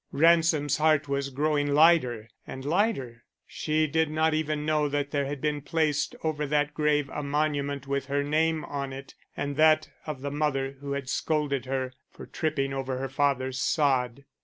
Ransom's heart was growing lighter and lighter. She did not even know that there had been placed over that grave a monument with her name on it and that of the mother who had scolded her for tripping over her father's sod.